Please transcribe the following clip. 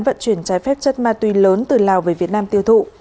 vận chuyển trái phép chất ma túy lớn từ lào về việt nam tiêu thụ